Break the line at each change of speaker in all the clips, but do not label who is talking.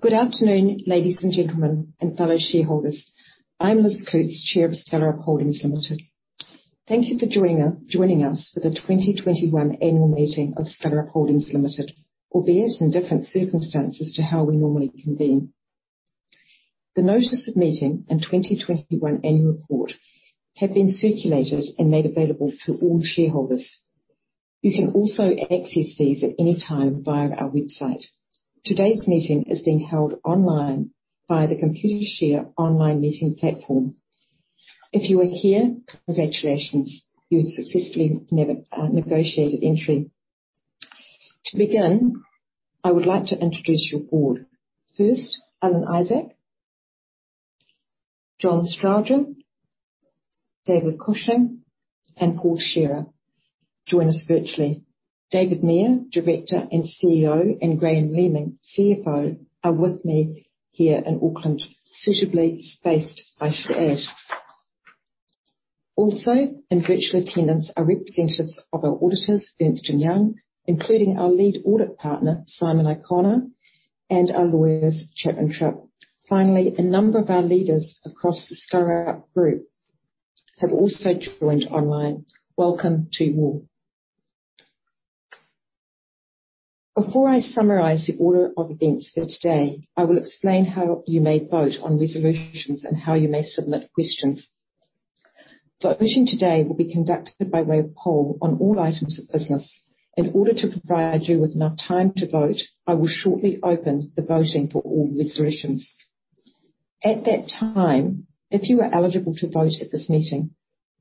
Good afternoon, ladies and gentlemen and fellow shareholders. I'm Liz Coutts, Chair of Skellerup Holdings Limited. Thank you for joining us for the 2021 annual meeting of Skellerup Holdings Limited, albeit in different circumstances to how we normally convene. The notice of meeting and 2021 annual report have been circulated and made available to all shareholders. You can also access these at any time via our website. Today's meeting is being held online by the Computershare online meeting platform. If you are here, congratulations. You have successfully negotiated entry. To begin, I would like to introduce your board. First, Alan Isaac, John Strowger, David Cushing, and Paul Shearer join us virtually. David Mair, Director and CEO, and Graham Leaming, CFO, are with me here in Auckland, suitably spaced, I should add. In virtual attendance are representatives of our auditors, Ernst & Young, including our lead audit partner, Simon O'Connor, and our lawyers, Chapman Tripp. Finally, a number of our leaders across the Skellerup group have also joined online. Welcome to you all. Before I summarize the order of events for today, I will explain how you may vote on resolutions and how you may submit questions. Voting today will be conducted by way of poll on all items of business. In order to provide you with enough time to vote, I will shortly open the voting for all resolutions. At that time, if you are eligible to vote at this meeting,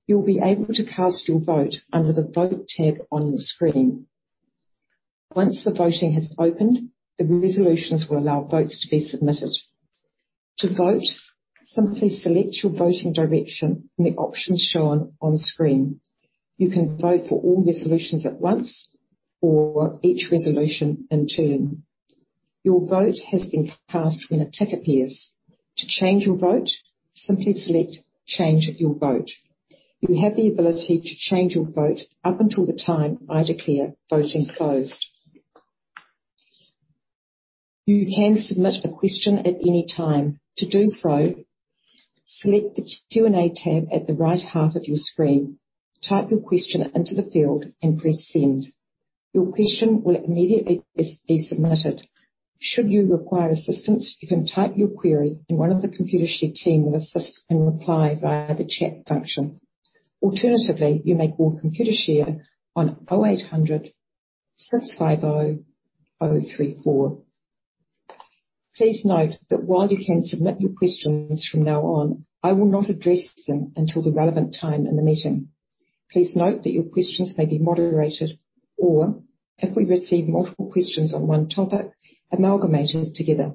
you will be able to cast your vote under the Vote tab on your screen. Once the voting has opened, the resolutions will allow votes to be submitted. To vote, simply select your voting direction from the options shown on screen. You can vote for all resolutions at once or each resolution in turn. Your vote has been cast when a tick appears. To change your vote, simply select Change Your Vote. You have the ability to change your vote up until the time I declare voting closed. You can submit a question at any time. To do so, select the Q&A tab at the right half of your screen. Type your question into the field and press Send. Your question will immediately be submitted. Should you require assistance, you can type your query, and one of the Computershare team will assist and reply via the chat function. Alternatively, you may call Computershare on 0800 650 034. Please note that while you can submit your questions from now on, I will not address them until the relevant time in the meeting. Please note that your questions may be moderated or, if we receive multiple questions on one topic, amalgamated together.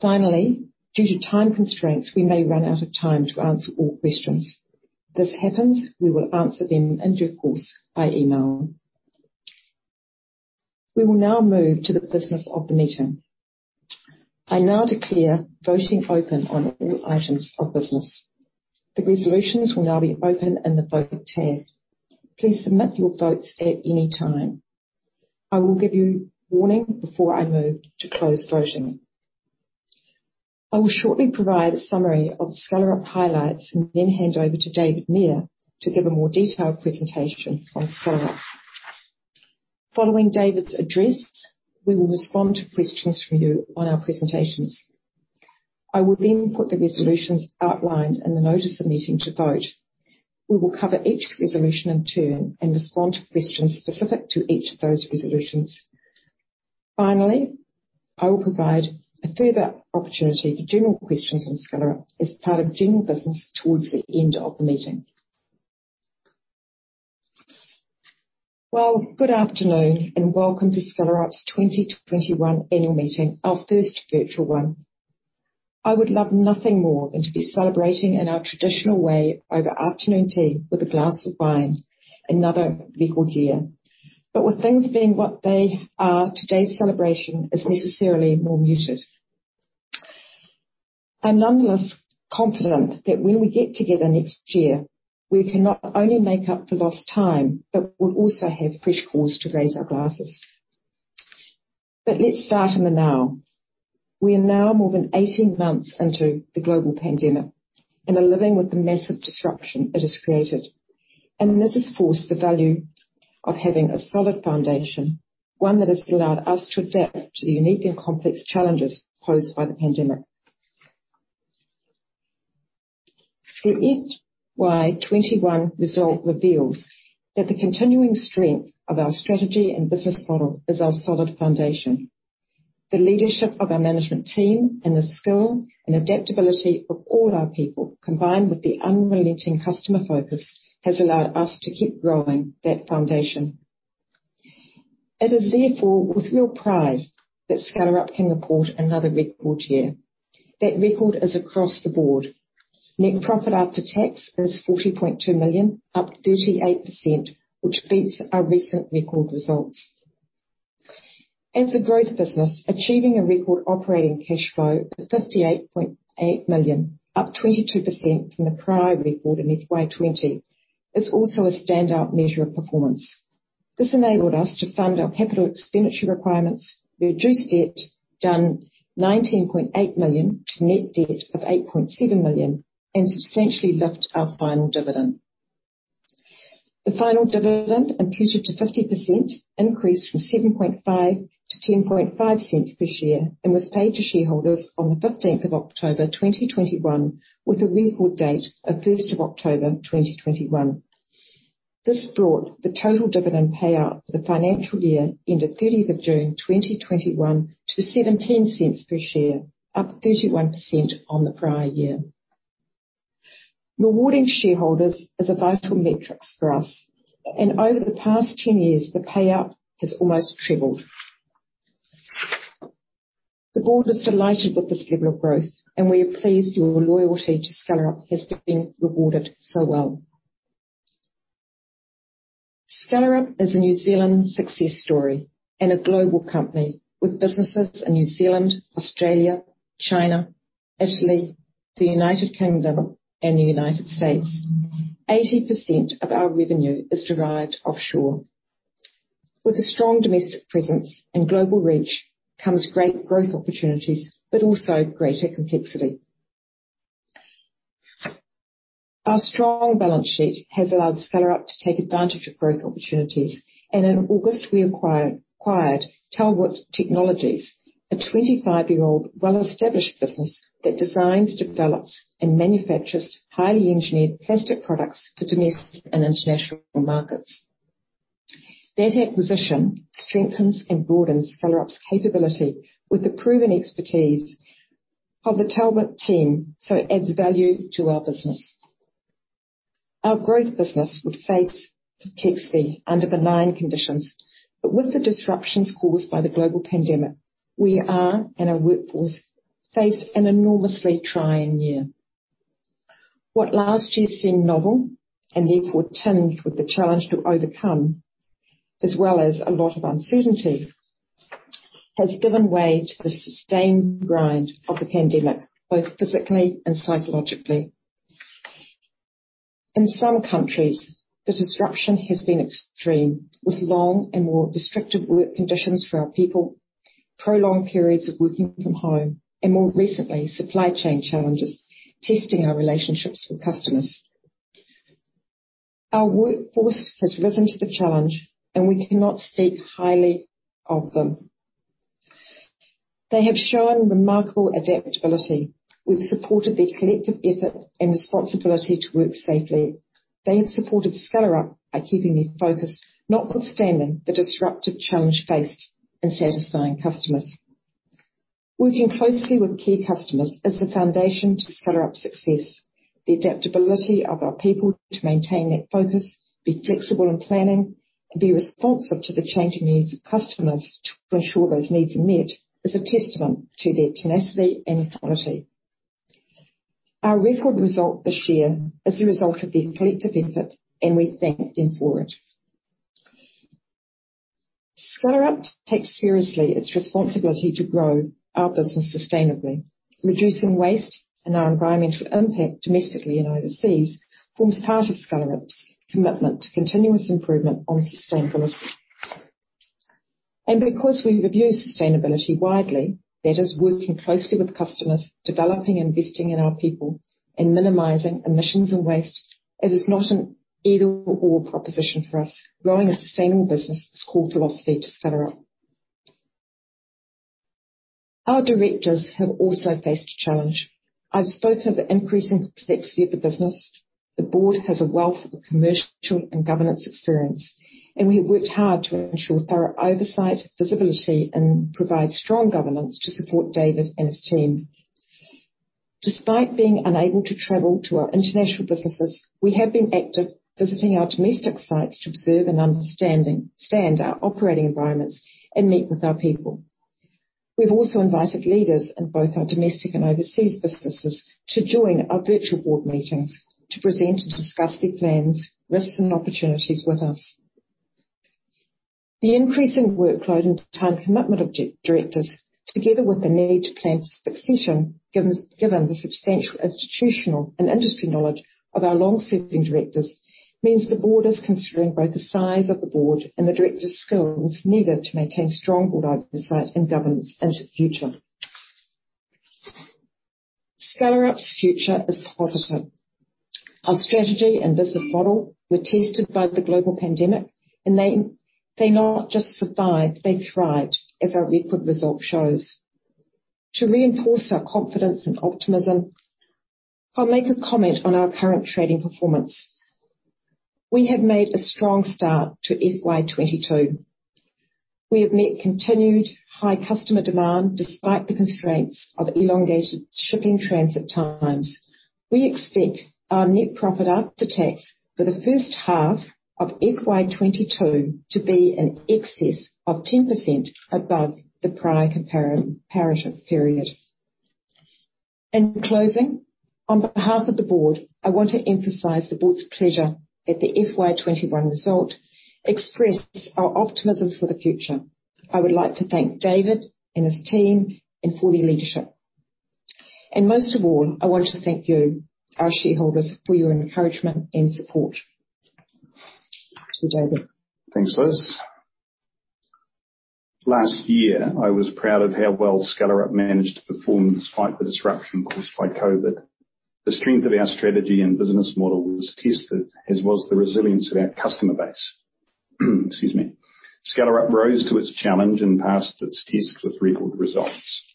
Finally, due to time constraints, we may run out of time to answer all questions. If this happens, we will answer them in due course by email. We will now move to the business of the meeting. I now declare voting open on all items of business. The resolutions will now be open in the Vote tab. Please submit your votes at any time. I will give you warning before I move to close voting. I will shortly provide a summary of Skellerup highlights and then hand over to David Mair to give a more detailed presentation on Skellerup. Following David's address, we will respond to questions from you on our presentations. I will then put the resolutions outlined in the notice of meeting to vote. We will cover each resolution in turn and respond to questions specific to each of those resolutions. Finally, I will provide a further opportunity for general questions on Skellerup as part of general business towards the end of the meeting. Well, good afternoon and welcome to Skellerup's 2021 annual meeting, our first virtual one. I would love nothing more than to be celebrating in our traditional way over afternoon tea with a glass of wine and another beverage here. With things being what they are, today's celebration is necessarily more muted. I'm nonetheless confident that when we get together next year, we can not only make up for lost time, but we'll also have fresh cause to raise our glasses. Let's start in the now. We are now more than 18 months into the global pandemic and are living with the massive disruption it has created. This has forced the value of having a solid foundation, one that has allowed us to adapt to the unique and complex challenges posed by the pandemic. The FY 2021 result reveals that the continuing strength of our strategy and business model is our solid foundation. The leadership of our management team and the skill and adaptability of all our people, combined with the unrelenting customer focus, has allowed us to keep growing that foundation. It is therefore with real pride that Skellerup can report another record year. That record is across the board. Net profit after tax is 40.2 million, up 38%, which beats our recent record results. As a growth business, achieving a record operating cash flow of 58.8 million, up 22% from the prior record in FY 2020, is also a standout measure of performance. This enabled us to fund our capital expenditure requirements, reduce debt down 19.8 million to net debt of 8.7 million, and substantially lift our final dividend. The final dividend imputed to 50% increased from 0.075 to 0.105 per share, and was paid to shareholders on the 15th of October, 2021, with a record date of 1st of October, 2021. This brought the total dividend payout for the financial year ending in the 30th of June, 2021 to 0.17 per share, up 31% on the prior year. Rewarding shareholders is a vital metrics for us, and over the past 10 years, the payout has almost tripled. The board is delighted with this level of growth, and we are pleased your loyalty to Skellerup has been rewarded so well. Skellerup is a New Zealand success story and a global company with businesses in New Zealand, Australia, China, Italy, the United Kingdom, and the United States. 80% of our revenue is derived offshore. With a strong domestic presence and global reach comes great growth opportunities, but also greater complexity. Our strong balance sheet has allowed Skellerup to take advantage of growth opportunities, and in August, we acquired Talbot Technologies, a 25-year-old well-established business that designs, develops, and manufactures highly engineered plastic products for domestic and international markets. That acquisition strengthens and broadens Skellerup's capability with the proven expertise of the Talbot team, so adds value to our business. Our growth business would face complexity under benign conditions. With the disruptions caused by the global pandemic, we and our workforce faced an enormously trying year. What last year seemed novel and therefore tinged with the challenge to overcome, as well as a lot of uncertainty, has given way to the sustained grind of the pandemic, both physically and psychologically. In some countries, the disruption has been extreme, with long and more restrictive work conditions for our people, prolonged periods of working from home, and more recently, supply chain challenges, testing our relationships with customers. Our workforce has risen to the challenge, and we cannot speak highly of them. They have shown remarkable adaptability. We've supported their collective effort and responsibility to work safely. They have supported Skellerup by keeping their focus, notwithstanding the disruptive challenge faced in satisfying customers. Working closely with key customers is the foundation to Skellerup's success. The adaptability of our people to maintain that focus, be flexible in planning, and be responsive to the changing needs of customers to ensure those needs are met, is a testament to their tenacity and quality. Our record result this year is a result of their collective effort, and we thank them for it. Skellerup takes seriously its responsibility to grow our business sustainably. Reducing waste and our environmental impact domestically and overseas forms part of Skellerup's commitment to continuous improvement on sustainability. Because we review sustainability widely, that is working closely with customers, developing and investing in our people, and minimizing emissions and waste, it is not an either/or proposition for us. Growing a sustainable business is core philosophy to Skellerup. Our directors have also faced a challenge. I've spoken of the increasing complexity of the business. The board has a wealth of commercial and governance experience, and we have worked hard to ensure thorough oversight, visibility, and provide strong governance to support David and his team. Despite being unable to travel to our international businesses, we have been active visiting our domestic sites to observe and understand our operating environments and meet with our people. We've also invited leaders in both our domestic and overseas businesses to join our virtual board meetings to present and discuss their plans, risks, and opportunities with us. The increase in workload and time commitment of directors, together with the need to plan succession, given the substantial institutional and industry knowledge of our long-serving directors, means the board is considering both the size of the board and the directors' skills needed to maintain strong board oversight and governance into the future. Skellerup's future is positive. Our strategy and business model were tested by the global pandemic and they not just survived, they thrived, as our record result shows. To reinforce our confidence and optimism, I'll make a comment on our current trading performance. We have made a strong start to FY 2022. We have met continued high customer demand despite the constraints of elongated shipping transit times. We expect our net profit after tax for the first half of FY 2022 to be in excess of 10% above the prior comparative period. In closing, on behalf of the board, I want to emphasize the board's pleasure at the FY 2021 result, express our optimism for the future. I would like to thank David and his team for their leadership. Most of all, I want to thank you, our shareholders, for your encouragement and support. To David.
Thanks, Liz. Last year, I was proud of how well Skellerup managed to perform despite the disruption caused by COVID. The strength of our strategy and business model was tested, as was the resilience of our customer base. Excuse me. Skellerup rose to its challenge and passed its test with record results.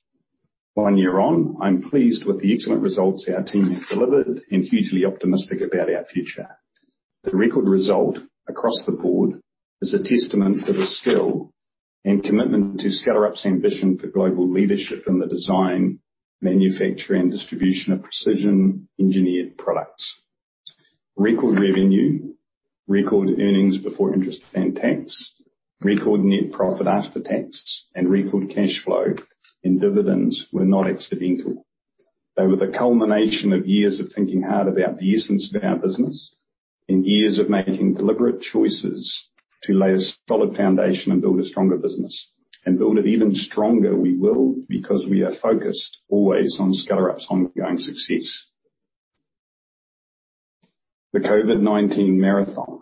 One year on, I'm pleased with the excellent results our team have delivered and hugely optimistic about our future. The record result across the board is a testament to the skill and commitment to Skellerup's ambition for global leadership in the design, manufacturing, and distribution of precision engineered products. Record revenue, record earnings before interest and tax, record net profit after tax, and record cash flow and dividends were not accidental. They were the culmination of years of thinking hard about the essence of our business and years of making deliberate choices to lay a solid foundation and build a stronger business. Build it even stronger we will, because we are focused always on Skellerup's ongoing success. The COVID-19 marathon.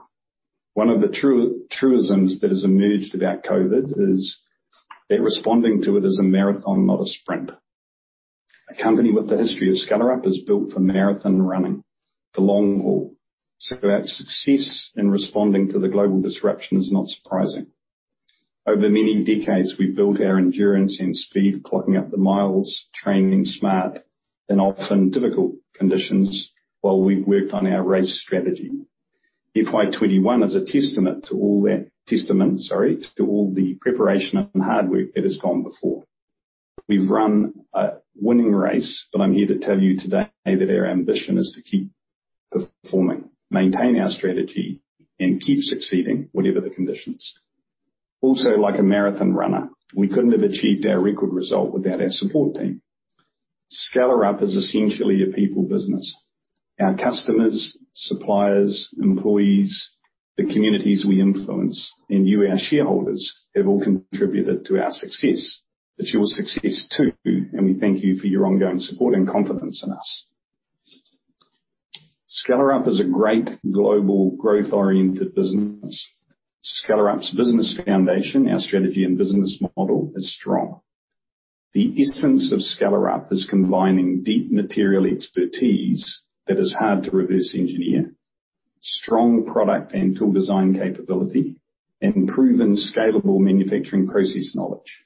One of the true truisms that has emerged about COVID is that responding to it is a marathon, not a sprint. A company with the history of Skellerup is built for marathon running, the long haul. Skellerup's success in responding to the global disruption is not surprising. Over many decades, we've built our endurance and speed, clocking up the miles, training smart in often difficult conditions while we worked on our race strategy. FY 2021 is a testament to all the preparation and hard work that has gone before. We've run a winning race, but I'm here to tell you today that our ambition is to keep performing, maintain our strategy, and keep succeeding whatever the conditions. Also, like a marathon runner, we couldn't have achieved our record result without our support team. Skellerup is essentially a people business. Our customers, suppliers, employees, the communities we influence, and you, our shareholders, have all contributed to our success. It's your success too, and we thank you for your ongoing support and confidence in us. Skellerup is a great global growth-oriented business. Skellerup's business foundation, our strategy and business model is strong. The essence of Skellerup is combining deep material expertise that is hard to reverse engineer, strong product and tool design capability, and proven scalable manufacturing process knowledge.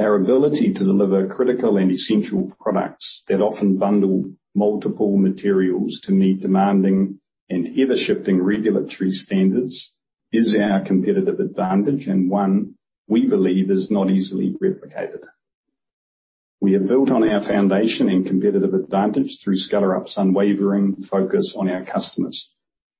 Our ability to deliver critical and essential products that often bundle multiple materials to meet demanding and ever-shifting regulatory standards is our competitive advantage, and one we believe is not easily replicated. We have built on our foundation and competitive advantage through Skellerup's unwavering focus on our customers.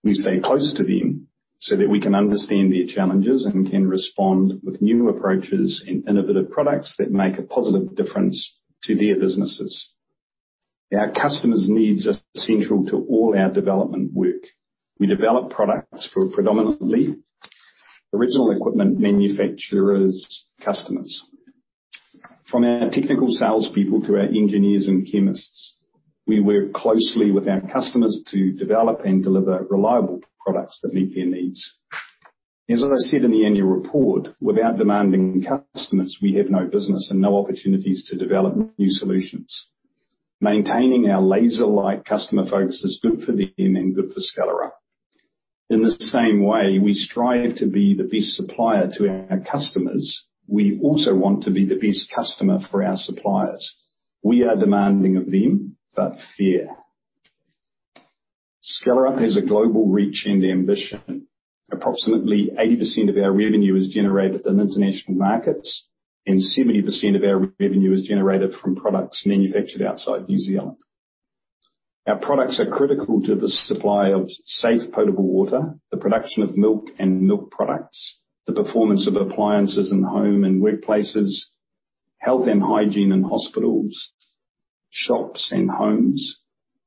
We stay close to them so that we can understand their challenges and can respond with new approaches and innovative products that make a positive difference to their businesses. Our customers' needs are central to all our development work. We develop products for predominantly original equipment manufacturers customers. From our technical salespeople to our engineers and chemists, we work closely with our customers to develop and deliver reliable products that meet their needs. As I said in the annual report, without demanding customers, we have no business and no opportunities to develop new solutions. Maintaining our laser-like customer focus is good for them and good for Skellerup. In the same way we strive to be the best supplier to our customers, we also want to be the best customer for our suppliers. We are demanding of them, but fair. Skellerup has a global reach and ambition. Approximately 80% of our revenue is generated in international markets, and 70% of our revenue is generated from products manufactured outside New Zealand. Our products are critical to the supply of safe potable water, the production of milk and milk products, the performance of appliances in home and workplaces, health and hygiene in hospitals, shops, and homes,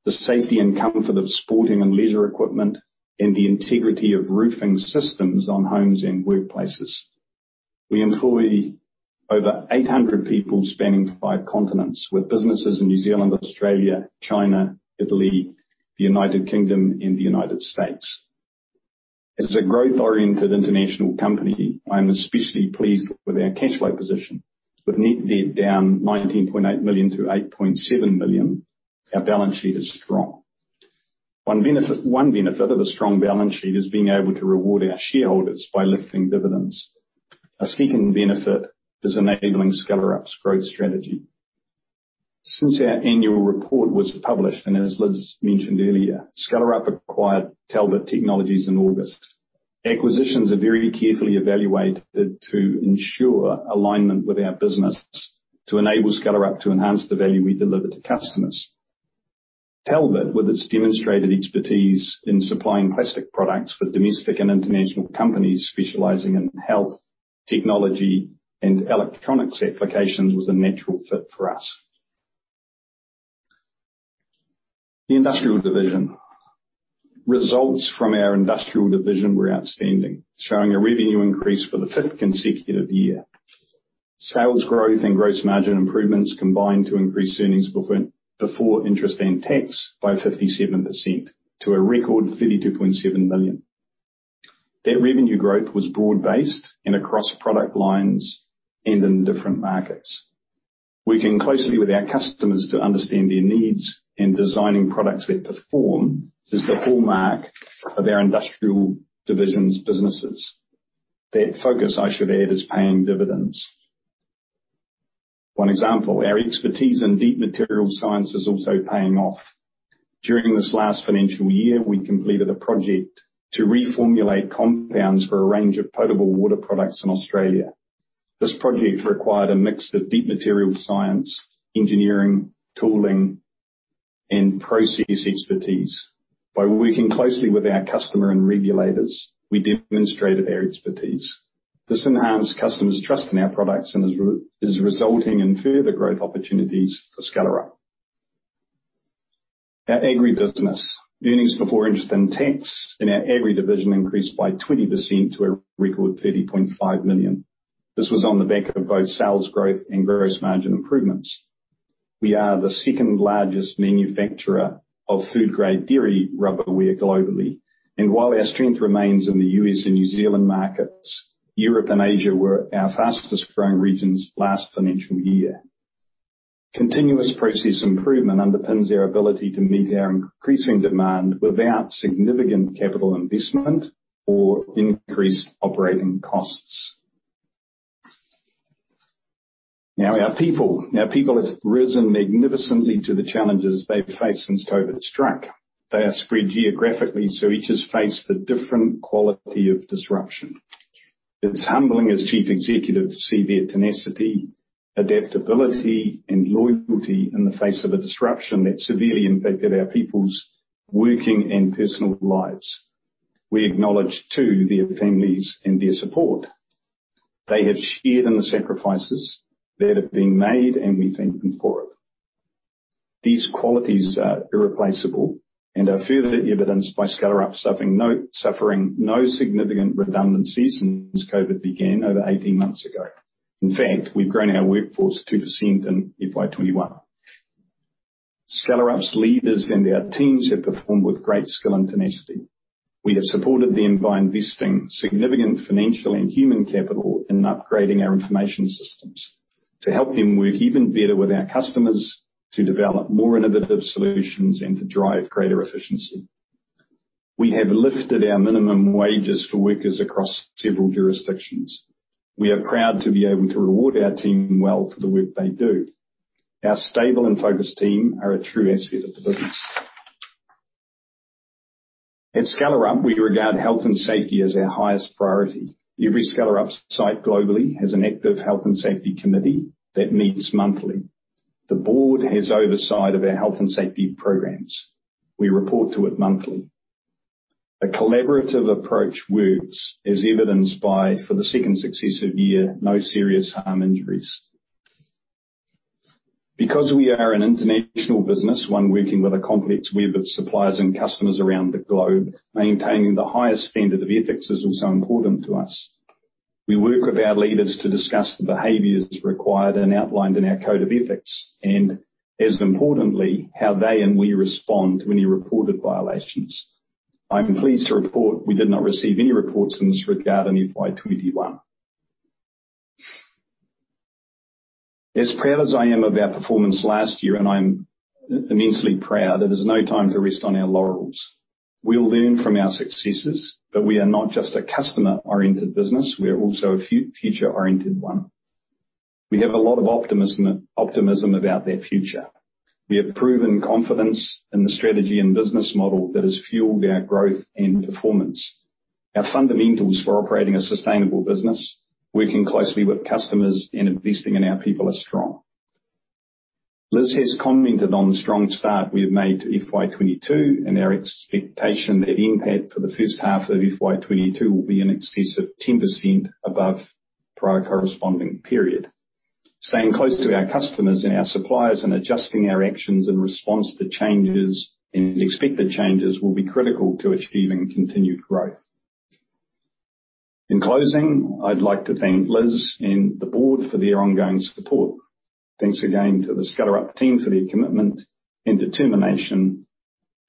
the safety and comfort of sporting and leisure equipment, and the integrity of roofing systems on homes and workplaces. We employ over 800 people spanning five continents with businesses in New Zealand, Australia, China, Italy, the United Kingdom, and the United States. As a growth-oriented international company, I am especially pleased with our cash flow position. With net debt down 19.8 million to 8.7 million, our balance sheet is strong. One benefit of a strong balance sheet is being able to reward our shareholders by lifting dividends. A second benefit is enabling Skellerup's growth strategy. Since our annual report was published, and as Liz mentioned earlier, Skellerup acquired Talbot Technologies in August. Acquisitions are very carefully evaluated to ensure alignment with our business to enable Skellerup to enhance the value we deliver to customers. Talbot, with its demonstrated expertise in supplying plastic products for domestic and international companies specializing in health, technology, and electronics applications, was a natural fit for us. The industrial division results from our industrial division were outstanding, showing a revenue increase for the fifth consecutive year. Sales growth and gross margin improvements combined to increase earnings before interest and tax by 57% to a record 32.7 million. That revenue growth was broad-based and across product lines and in different markets. Working closely with our customers to understand their needs in designing products that perform is the hallmark of our industrial division's businesses. That focus, I should add, is paying dividends. One example, our expertise in deep material science is also paying off. During this last financial year, we completed a project to reformulate compounds for a range of potable water products in Australia. This project required a mix of deep material science, engineering, tooling, and process expertise. By working closely with our customer and regulators, we demonstrated our expertise. This enhanced customers' trust in our products and is resulting in further growth opportunities for Skellerup, our agri business. Earnings before interest and tax in our agri division increased by 20% to a record 30.5 million. This was on the back of both sales growth and gross margin improvements. We are the second-largest manufacturer of food-grade dairy rubberware globally. While our strength remains in the U.S. and New Zealand markets, Europe and Asia were our fastest-growing regions last financial year. Continuous process improvement underpins our ability to meet our increasing demand without significant capital investment or increased operating costs. Now our people. Our people have risen magnificently to the challenges they've faced since COVID struck. They are spread geographically, so each has faced a different quality of disruption. It's humbling as chief executive to see their tenacity, adaptability, and loyalty in the face of a disruption that severely impacted our people's working and personal lives. We acknowledge, too, their families and their support. They have shared in the sacrifices that have been made, and we thank them for it. These qualities are irreplaceable and are further evidenced by Skellerup suffering no significant redundancies since COVID began over 18 months ago. In fact, we've grown our workforce 2% in FY 2021. Skellerup's leaders and our teams have performed with great skill and tenacity. We have supported them by investing significant financial and human capital in upgrading our information systems to help them work even better with our customers, to develop more innovative solutions, and to drive greater efficiency. We have lifted our minimum wages for workers across several jurisdictions. We are proud to be able to reward our team well for the work they do. Our stable and focused team are a true asset of the business. At Skellerup, we regard health and safety as our highest priority. Every Skellerup site globally has an active health and safety committee that meets monthly. The board has oversight of our health and safety programs. We report to it monthly. A collaborative approach works, as evidenced by for the second successive year, no serious harm injuries. Because we are an international business, one working with a complex web of suppliers and customers around the globe, maintaining the highest standard of ethics is also important to us. We work with our leaders to discuss the behaviors required and outlined in our code of ethics and, as importantly, how they and we respond to any reported violations. I'm pleased to report we did not receive any reports in this regard in FY 2021. As proud as I am of our performance last year, and I'm immensely proud, it is no time to rest on our laurels. We'll learn from our successes, but we are not just a customer-oriented business, we are also a future-oriented one. We have a lot of optimism about that future. We have proven confidence in the strategy and business model that has fueled our growth and performance. Our fundamentals for operating a sustainable business, working closely with customers and investing in our people, are strong. Liz has commented on the strong start we have made to FY 2022 and our expectation that NPAT for the first half of FY 2022 will be in excess of 10% above prior corresponding period. Staying close to our customers and our suppliers and adjusting our actions in response to changes and expected changes will be critical to achieving continued growth. In closing, I'd like to thank Liz and the board for their ongoing support. Thanks again to the Skellerup team for their commitment and determination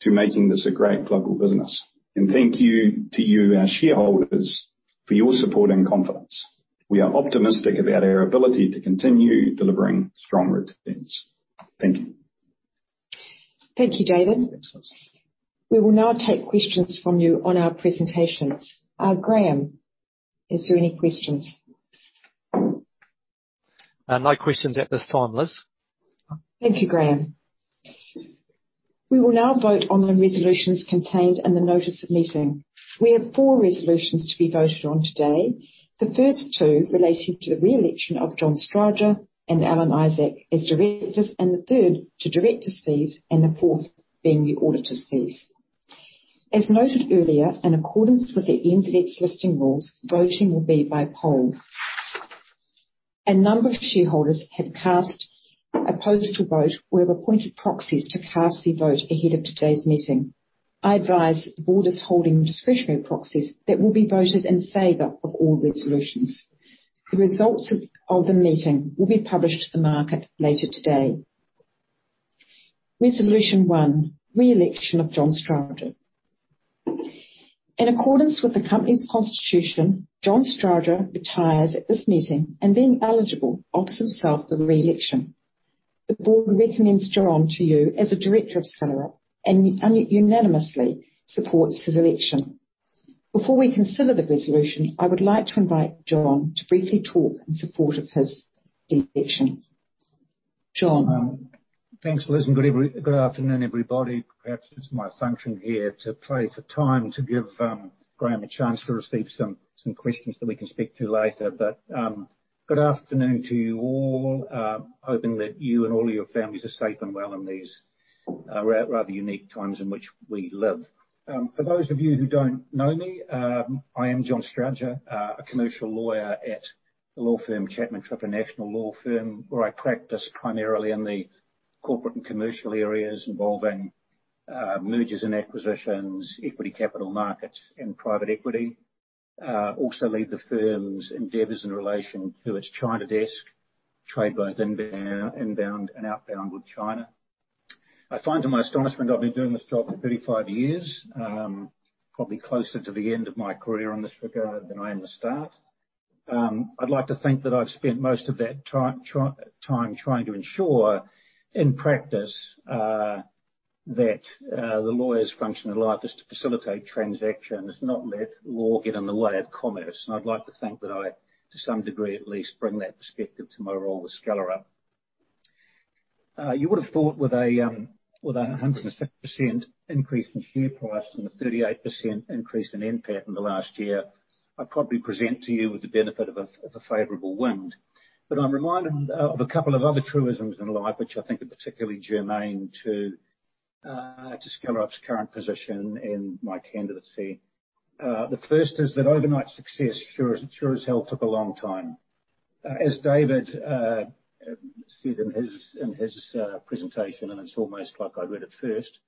to making this a great global business. Thank you to you, our shareholders, for your support and confidence. We are optimistic about our ability to continue delivering strong returns. Thank you.
Thank you, David.
Thanks, Liz.
We will now take questions from you on our presentation. Graham, is there any questions?
No questions at this time, Liz.
Thank you, Graham. We will now vote on the resolutions contained in the notice of meeting. We have four resolutions to be voted on today. The first two relating to the re-election of John Strowger and Alan Isaac as directors, and the third to directors' fees, and the fourth being the auditors' fees. As noted earlier, in accordance with the NZX listing rules, voting will be by poll. A number of shareholders have cast a postal vote or have appointed proxies to cast their vote ahead of today's meeting. I advise the board is holding discretionary proxies that will be voted in favor of all the resolutions. The results of the meeting will be published to the market later today. Resolution one, re-election of John Strowger. In accordance with the company's constitution, John Strowger retires at this meeting and being eligible, offers himself for re-election. The board recommends John to you as a director of Skellerup and unanimously supports his election. Before we consider the resolution, I would like to invite John to briefly talk in support of his re-election. John.
Thanks, Liz, and good afternoon, everybody. Perhaps it's my function here to buy time to give Graham a chance to receive some questions that we can speak to later. Good afternoon to you all. Hoping that you and all your families are safe and well in these rather unique times in which we live. For those of you who don't know me, I am John Strowger, a commercial lawyer at the law firm Chapman Tripp national law firm, where I practice primarily in the corporate and commercial areas involving mergers and acquisitions, equity capital markets and private equity. Also lead the firm's endeavors in relation to its China desk trade, both inbound and outbound with China. I find, to my astonishment, I've been doing this job for 35 years, probably closer to the end of my career in this regard than I am the start. I'd like to think that I've spent most of that time trying to ensure in practice that the lawyer's function in life is to facilitate transactions, not let law get in the way of commerce. I'd like to think that I, to some degree at least, bring that perspective to my role with Skellerup. You would have thought with a 100% increase in share price and a 38% increase in NPAT in the last year, I probably present to you with the benefit of a favorable wind. I'm reminded of a couple of other truisms in life which I think are particularly germane to Skellerup's current position and my candidacy. The first is that overnight success sure as hell took a long time. As David said in his presentation, and it's almost like I read it first.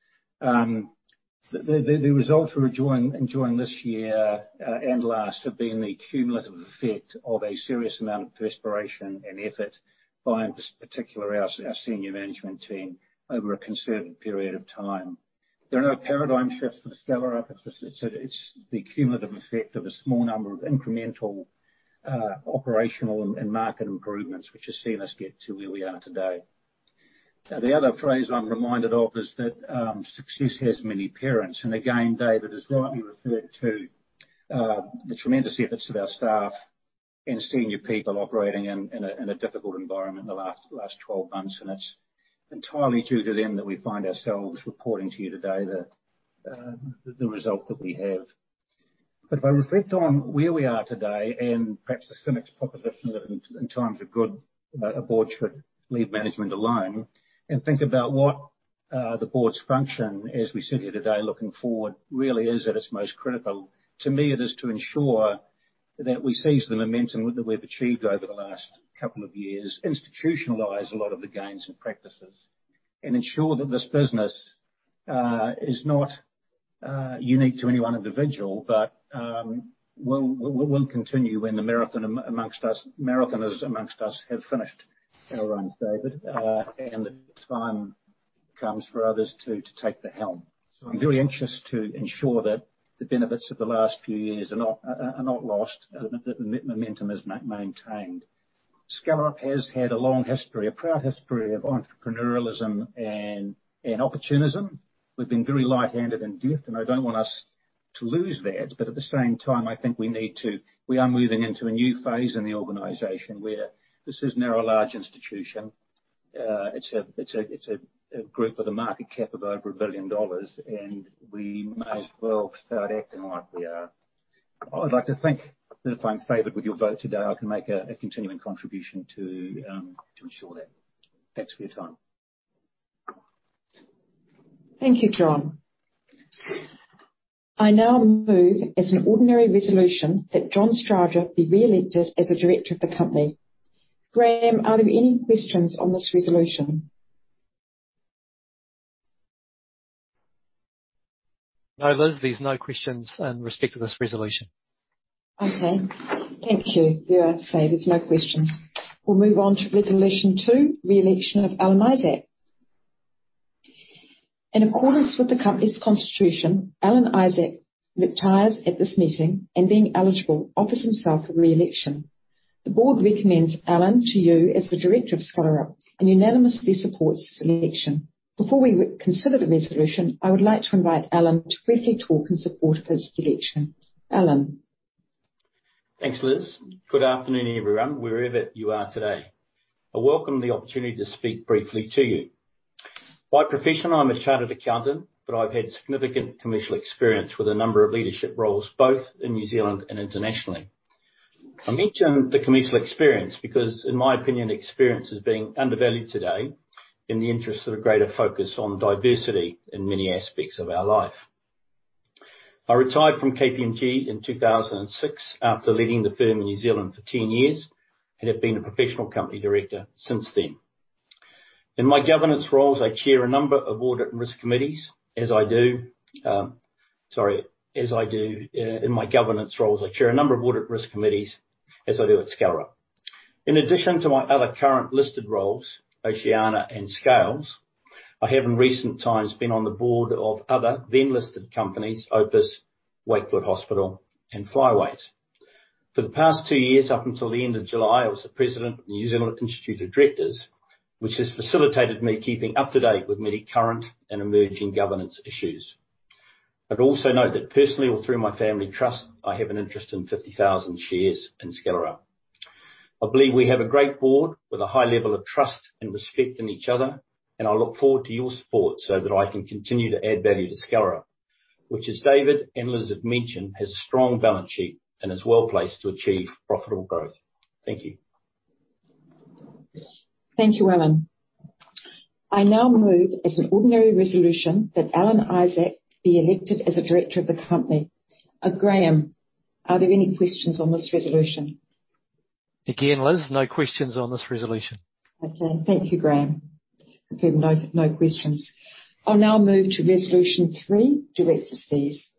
The results we're enjoying this year and last have been the cumulative effect of a serious amount of perspiration and effort by in particular our senior management team over a concerted period of time. There are no paradigm shifts with Skellerup. It's just the cumulative effect of a small number of incremental operational and market improvements which has seen us get to where we are today. Now, the other phrase I'm reminded of is that success has many parents. Again, David has rightly referred to the tremendous efforts of our staff and senior people operating in a difficult environment in the last twelve months. It's entirely due to them that we find ourselves reporting to you today that the result that we have. If I reflect on where we are today and perhaps the cynic's proposition that in times of good a board should leave management alone and think about what the board's function as we sit here today looking forward really is at its most critical. To me, it is to ensure that we seize the momentum that we've achieved over the last couple of years, institutionalize a lot of the gains and practices, and ensure that this business is not unique to any one individual. We'll continue when the marathoners amongst us have finished our runs, David, and the time comes for others to take the helm. I'm very anxious to ensure that the benefits of the last few years are not lost and that the momentum is maintained. Skellerup has had a long history, a proud history of entrepreneurialism and opportunism. We've been very light-handed in debt, and I don't want us to lose that. At the same time, I think we need to. We are moving into a new phase in the organization where this is now a large institution. It's a group with a market cap of over 1 billion dollars, and we may as well start acting like we are. I would like to think that if I'm favored with your vote today, I can make a continuing contribution to ensure that. Thanks for your time.
Thank you, John. I now move as an ordinary resolution that John Strowger be re-elected as a director of the company. Graham, are there any questions on this resolution?
No, Liz, there's no questions in respect to this resolution.
Okay. Thank you. We are in favor. There's no questions. We'll move on to resolution two, re-election of Alan Isaac. In accordance with the company's constitution, Alan Isaac retires at this meeting and being eligible, offers himself for re-election. The board recommends Alan to you as the director of Skellerup and unanimously supports his election. Before we consider the resolution, I would like to invite Alan to briefly talk in support of his election. Alan.
Thanks, Liz. Good afternoon, everyone, wherever you are today. I welcome the opportunity to speak briefly to you. By profession, I'm a chartered accountant, but I've had significant commercial experience with a number of leadership roles both in New Zealand and internationally. I mention the commercial experience because in my opinion, experience is being undervalued today in the interest of a greater focus on diversity in many aspects of our life. I retired from KPMG in 2006 after leading the firm in New Zealand for 10 years and have been a professional company director since then. In my governance roles, I chair a number of audit and risk committees as I do at Skellerup. In addition to my other current listed roles, Oceania and Scales, I have in recent times been on the board of other NZX-listed companies, Opus, Wakefield Hospital, and Freightways. For the past two years, up until the end of July, I was the president of the New Zealand Institute of Directors, which has facilitated me keeping up to date with many current and emerging governance issues. I'd also note that personally, or through my family trust, I have an interest in 50,000 shares in Skellerup. I believe we have a great board with a high level of trust and respect in each other, and I look forward to your support so that I can continue to add value to Skellerup, which as David and Liz have mentioned, has a strong balance sheet and is well-placed to achieve profitable growth. Thank you.
Thank you, Alan. I now move as an ordinary resolution that Alan Isaac be elected as a director of the company. Graham, are there any questions on this resolution?
Again, Liz, no questions on this resolution.
Okay. Thank you, Graham. Okay. No, no questions. I'll now move to resolution three, director's fees.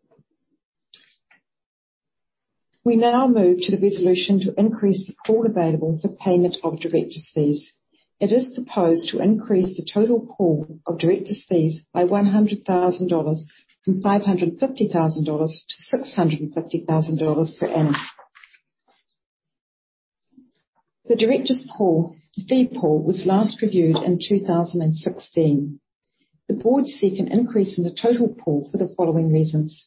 We now move to the resolution to increase the pool available for payment of director's fees. It is proposed to increase the total pool of director's fees by 100,000 dollars from 550,000 dollars to 650,000 dollars per annum. The director's pool, fee pool, was last reviewed in 2016. The board seek an increase in the total pool for the following reasons.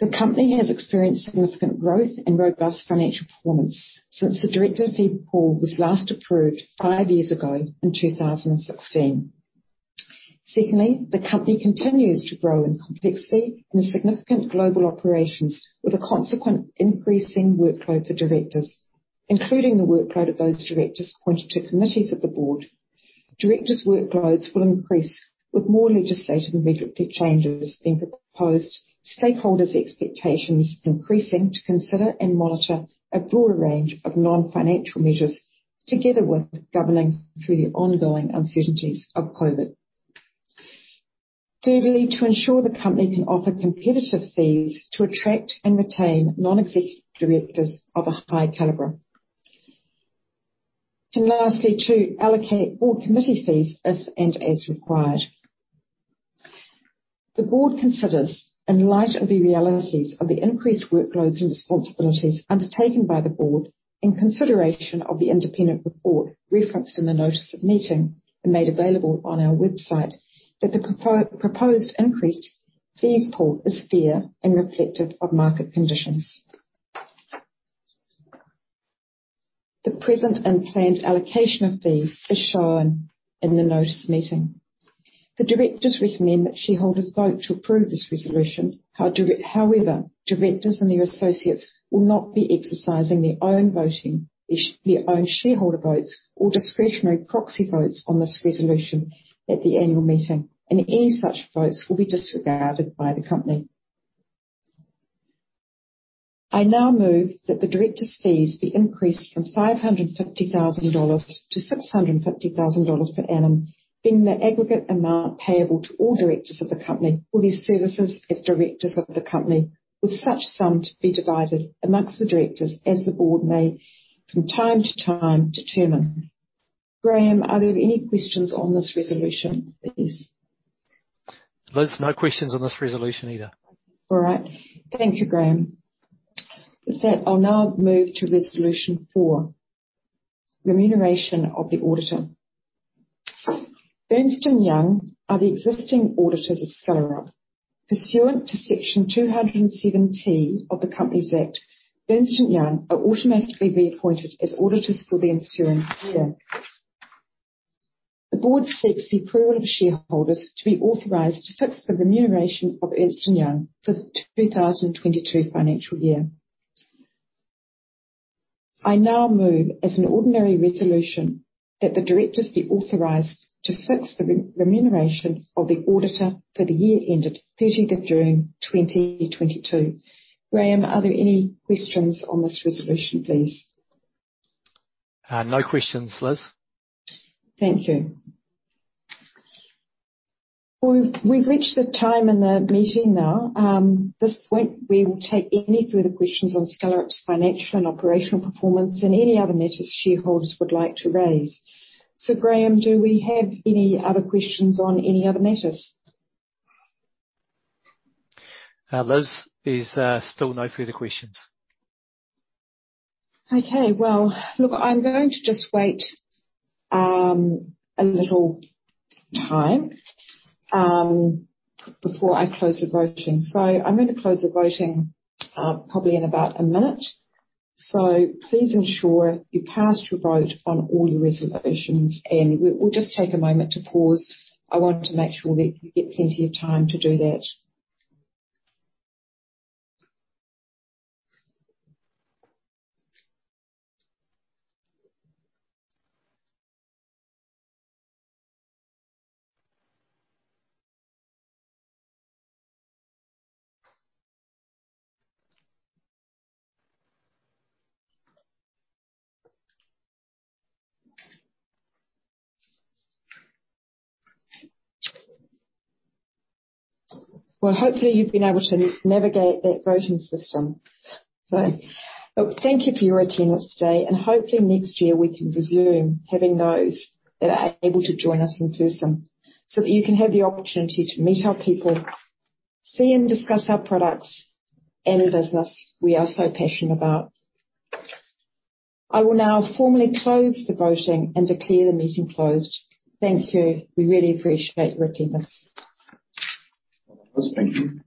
The company has experienced significant growth and robust financial performance since the director fee pool was last approved five years ago in 2016. Secondly, the company continues to grow in complexity and has significant global operations with a consequent increasing workload for directors, including the workload of those directors appointed to committees of the board. Directors' workloads will increase with more legislative and regulatory changes than proposed, stakeholders' expectations increasing to consider and monitor a broader range of non-financial measures together with governing through the ongoing uncertainties of COVID. Thirdly, to ensure the company can offer competitive fees to attract and retain non-executive directors of a high caliber. Lastly, to allocate all committee fees if and as required. The board considers, in light of the realities of the increased workloads and responsibilities undertaken by the board, in consideration of the independent report referenced in the notice of meeting and made available on our website, that the proposed increased fees pool is fair and reflective of market conditions. The present and planned allocation of fees is shown in the notice of meeting. The directors recommend that shareholders vote to approve this resolution. However, directors and their associates will not be exercising their own voting, their own shareholder votes or discretionary proxy votes on this resolution at the annual meeting, and any such votes will be disregarded by the company. I now move that the directors' fees be increased from 550,000 dollars to 650,000 dollars per annum, being the aggregate amount payable to all directors of the company for their services as directors of the company, with such sum to be divided among the directors as the board may from time to time determine. Graham, are there any questions on this resolution, please?
Liz, no questions on this resolution either.
All right. Thank you, Graham. With that, I'll now move to resolution 4, remuneration of the auditor. Ernst & Young are the existing auditors of Skellerup. Pursuant to Section 207T of the Companies Act, Ernst & Young are automatically reappointed as auditors for the ensuing year. The board seeks the approval of shareholders to be authorized to fix the remuneration of Ernst & Young for the 2022 financial year. I now move as an ordinary resolution that the directors be authorized to fix the remuneration of the auditor for the year ended 30th of June 2022. Graham, are there any questions on this resolution, please?
No questions, Liz.
Thank you. We've reached the time in the meeting now. At this point, we will take any further questions on Skellerup's financial and operational performance and any other matters shareholders would like to raise. Graham, do we have any other questions on any other matters?
Liz, there's still no further questions.
Okay. Well, look, I'm going to just wait a little time before I close the voting. I'm gonna close the voting, probably in about a minute. Please ensure you cast your vote on all the resolutions, and we'll just take a moment to pause. I want to make sure that you get plenty of time to do that. Well, hopefully you've been able to navigate that voting system. Look, thank you for your attendance today, and hopefully next year we can resume having those that are able to join us in person so that you can have the opportunity to meet our people, see and discuss our products and the business we are so passionate about. I will now formally close the voting and declare the meeting closed. Thank you. We really appreciate your attendance.
Thank you.